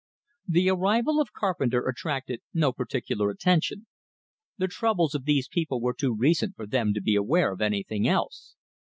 The arrival of Carpenter attracted no particular attention. The troubles of these people were too recent for them to be aware of anything else.